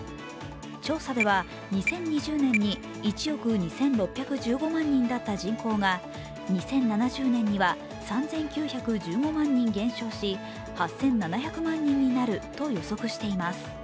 調査では、２０２０年に１億２６１５万人だった人口が２０７０年には３９１５万人減少し８７００万人になると予測しています。